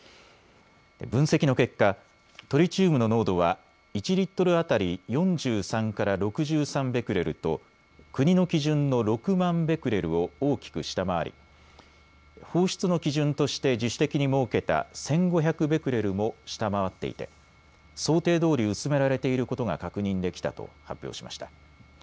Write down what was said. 分析の結果、トリチウムの濃度は１リットル当たり４３から６３ベクレルと国の基準の６万ベクレルを大きく下回り放出の基準として自主的に設けた１５００ベクレルも下回っていて想定どおり薄められていることが確認できたと発表しました。